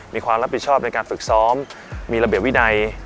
มีความรับผิดชอบในการฝึกซ้อมมีระเบียบวินัย